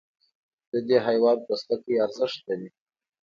د دې حیوان پوستکی ارزښت لري.